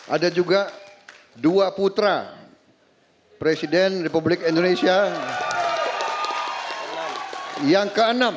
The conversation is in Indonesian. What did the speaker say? ada juga dua putra presiden republik indonesia yang keenam